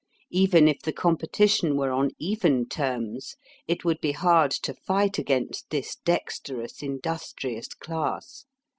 Even if the competition were on even terms, it would be hard to fight against this dexterous industrious class.